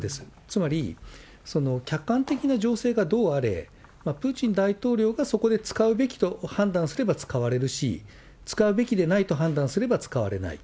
つまり、客観的な情勢がどうあれ、プーチン大統領がそこで使うべきと判断すれば使われるし、使うべきでないと判断すれば使われない。